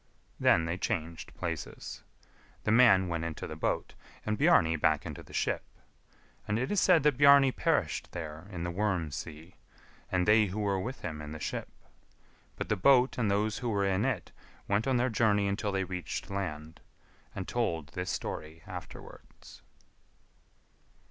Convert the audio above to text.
Then they changed places. The man went into the boat, and Bjarni back into the ship; and it is said that Bjarni perished there in the Worm sea, and they who were with him in the ship; but the boat and those who were in it went on their journey until they reached land, and told this story afterwards.